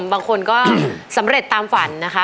บางคนก็สำเร็จตามฝันนะคะ